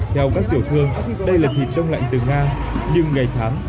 theo các tiểu thương đây là thịt đông lạnh từ nga nhưng ngày tháng